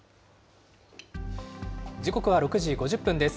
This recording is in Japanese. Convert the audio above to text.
時刻は６時５０分です。